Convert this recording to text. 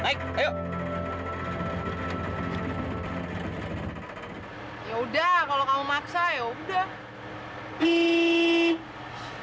ya udah kalau kamu maksa yaudah